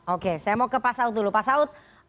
oke saya mau ke pak saud dulu pak saud